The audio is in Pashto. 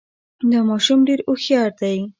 دا ماشوم ډېر هوښیار دی